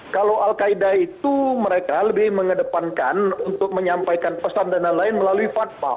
kalau al qaeda itu mereka lebih mengedepankan untuk menyampaikan pesan dan lain lain melalui fatwa